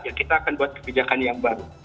ya kita akan buat kebijakan yang baru